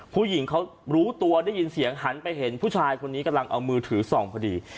ผู้หญิงเขารู้ตัวได้ยินเสียงหันไปเห็นผู้ชายคนนี้กำลังเอามือถือส่องพอดี